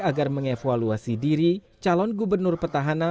agar mengevaluasi diri calon gubernur petahana